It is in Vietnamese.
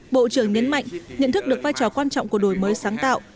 bộ trưởng nhấn mạnh nhận thức được vai trò quan trọng của đổi mới sáng tạo